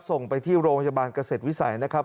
ส่งไปที่โรงพยาบาลเกษตรวิสัยนะครับ